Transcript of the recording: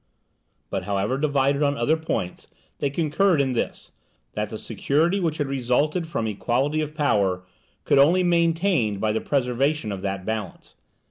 But however divided on other points, they concurred in this that the security which had resulted from equality of power could only be maintained by the preservation of that balance.